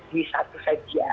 di satu saja